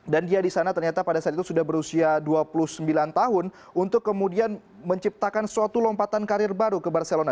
dan dia disana ternyata pada saat itu sudah berusia dua puluh sembilan tahun untuk kemudian menciptakan suatu lompatan karir baru ke barcelona